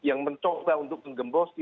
yang mencoba untuk menggembosi